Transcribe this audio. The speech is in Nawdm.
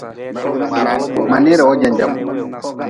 Ma neera wo janjaku.